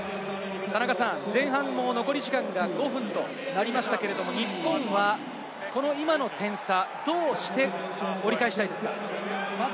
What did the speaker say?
前半、残り時間が５分となりましたけれども、日本はこの点差、どう折り返したいですか？